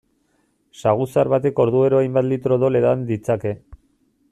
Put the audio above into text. Saguzar batek orduero hainbat litro odol edan ditzake.